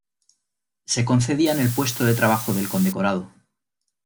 Se concedía en el puesto de trabajo del condecorado.